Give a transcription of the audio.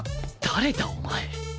誰だお前